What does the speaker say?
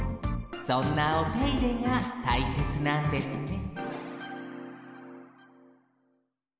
そんなおていれがたいせつなんですね